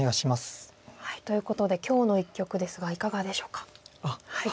ということで今日の一局ですがいかがでしょうか？